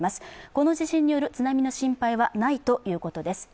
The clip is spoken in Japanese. この地震による津波の心配はないということです。